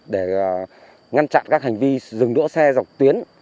để ngăn chặn các hành vi dừng đỗ xe dọc tuyến